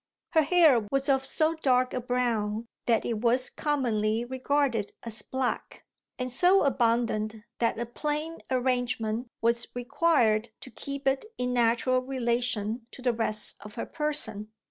Her hair was of so dark a brown that it was commonly regarded as black, and so abundant that a plain arrangement was required to keep it in natural relation to the rest of her person.